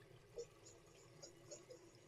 آیا دا توکي په وزن کې سره برابر دي؟